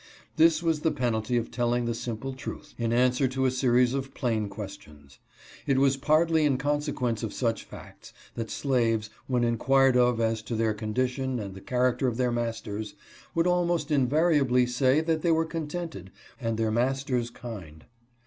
This was the penalty of telling the simple truth, in answer to a series of plain questions. It was partly in consequence of such facts, that slaves, when inquired of as to their condition and the character of their masters, would almost invariably say that they were contented and their masters kind.